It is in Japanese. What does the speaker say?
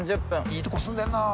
いいとこ住んでんなあ。